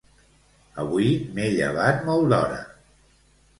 Avui m'he llevat molt d'hora.